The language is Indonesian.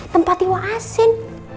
tempat itu asin